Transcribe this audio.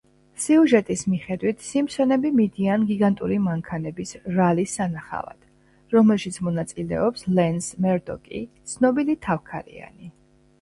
სიუჟეტის მიხედვით, სიმფსონები მიდიან გიგანტური მანქანების რალის სანახავად, რომელშიც მონაწილეობს ლენს მერდოკი, ცნობილი თავქარიანი.